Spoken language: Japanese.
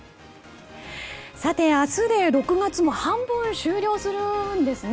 明日で６月も半分終了するんですね。